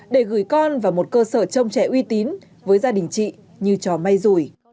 để gửi con vào một cơ sở chống trẻ uy tín với gia đình chị như trò may rùi